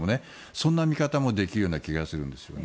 そんな見方もできるような気がするんですよね。